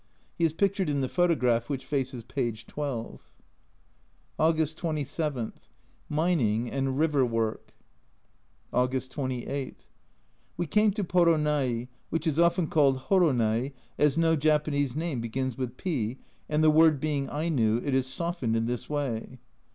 (He is pictured in the photograph which faces p. 12.) August 27. Mining and river work. August 28. We came to Poronai, which is often called Horonai, as no Japanese name begins with P, and the word being Aino it is softened in this way.